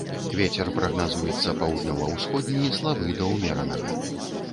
Вецер прагназуецца паўднёва-ўсходні слабы да ўмеранага.